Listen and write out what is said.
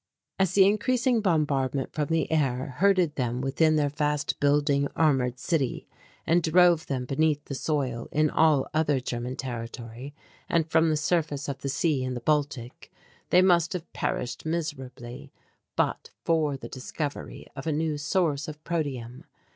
As the increasing bombardment from the air herded them within their fast building armoured city, and drove them beneath the soil in all other German territory and from the surface of the sea in the Baltic; they must have perished miserably but for the discovery of a new source of protium.